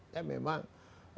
ya memang pada saat terjadi krisis